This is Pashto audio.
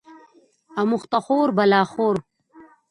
اموخته خور بلا خور